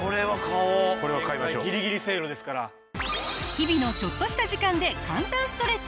日々のちょっとした時間で簡単ストレッチ。